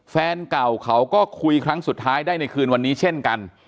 แฟนเก่าเขาก็คุยครั้งสุดท้ายได้ในคืนวันนี้เช่นกัน